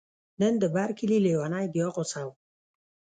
نن د بر کلي لیونی بیا غوسه و